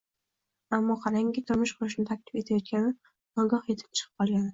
Ammo qarangki, turmush qurishni taklif etayotgani nogoh yetim chiqib qolgani